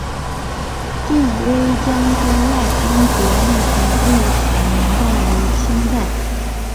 振威将军赖恩爵墓的历史年代为清代。